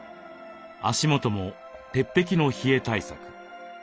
足元も鉄壁の冷え対策。